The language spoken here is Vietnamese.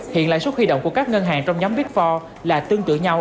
hiện lại suất huy động của các ngân hàng trong nhóm big four là tương tự nhau